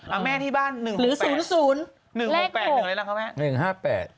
เอาแม่ที่บ้าน๑๖๘หรือ๐๐เลข๖๑อะไรนะคะแม่๑๕๘